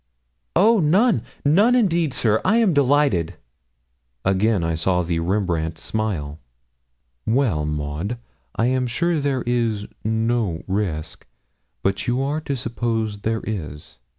'Oh, none none indeed, sir I am delighted!' Again I saw the Rembrandt smile. 'Well, Maud, I am sure there is no risk; but you are to suppose there is.